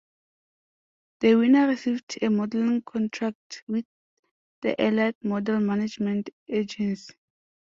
The winner received a modelling contract with the Elite Model Management Agency.